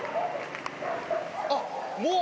あっ、もう。